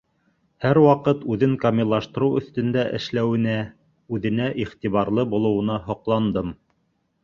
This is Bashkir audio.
Һәр ваҡыт үҙен камиллаштырыу өҫтөндә эшләүенә, үҙенә иғтибарлы булыуына һоҡландым.